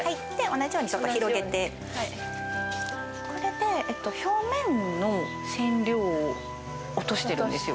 同じようにちょっと広げて同じようにはいこれで表面の染料を落としてるんですよ